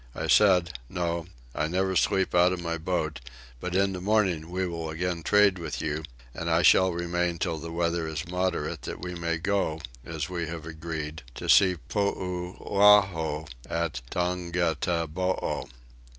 I said: "No, I never sleep out of my boat; but in the morning we will again trade with you, and I shall remain till the weather is moderate that we may go, as we have agreed, to see Poulaho at Tongataboo."